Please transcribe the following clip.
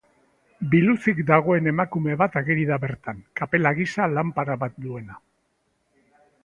Biluzik dagoen emakume bat ageri da bertan, kapela gisa lanpara bat duena.